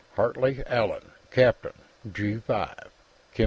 "Hartley, Allan; Captain, G5, Chem.